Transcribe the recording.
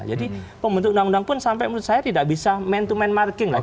jadi pembentuk undang undang pun sampai menurut saya tidak bisa main to main marking lah